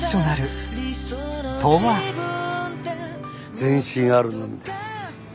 前進あるのみです。